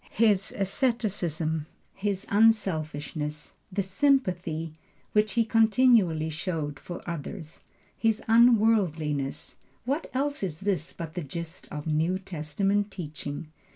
His asceticism, his unselfishness, the sympathy which he continually showed for others, his unworldliness, what else is this but the gist of New Testament teaching?